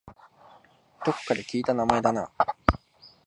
どこかで聞いた名前だな